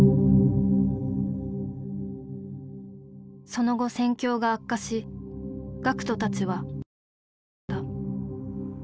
その後戦況が悪化し学徒たちはガマを追われた。